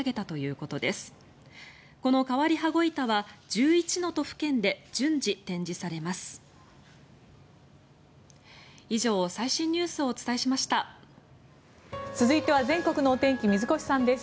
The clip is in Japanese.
この変わり羽子板は１１の都府県で順次、展示されます。